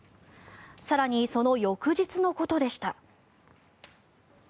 更にその翌日のことでした。